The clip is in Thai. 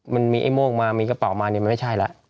มันมีไอ้โม่งมามีกระเป๋ามาเนี่ยมันไม่ใช่แล้ว